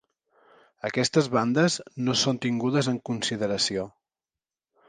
Aquestes bandes no són tingudes en consideració.